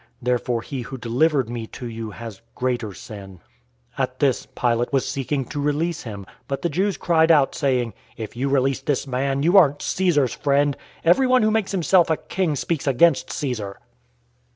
Therefore he who delivered me to you has greater sin." 019:012 At this, Pilate was seeking to release him, but the Jews cried out, saying, "If you release this man, you aren't Caesar's friend! Everyone who makes himself a king speaks against Caesar!"